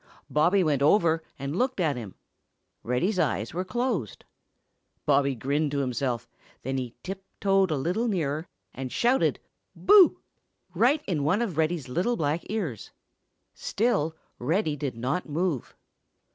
Bobby went over and looked at him. Reddy's eyes were closed. Bobby grinned to himself, then he tip toed a little nearer and shouted "boo" right in one of Reddy's little black ears. Still Reddy did not move.